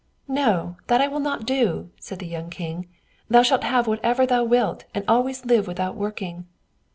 "No, that I will not do," said the young king: "thou shalt have whatever thou wilt, and always live without working."